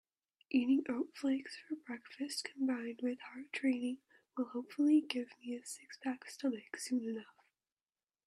Eating oat flakes for breakfast combined with hard training will hopefully give me a six-pack stomach soon enough.